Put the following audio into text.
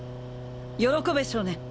喜べ少年！